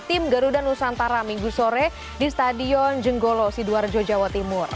tim garuda nusantara minggu sore di stadion jenggolo sidoarjo jawa timur